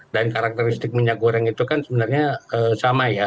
karakteristik minyak goreng itu kan sebenarnya sama ya